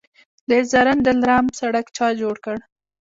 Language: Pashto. د زرنج دلارام سړک چا جوړ کړ؟